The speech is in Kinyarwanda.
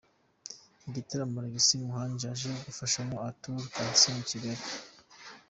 IgitaramoAlex Muhangi aje gufashamo Arthur na Kansiime i Kigali.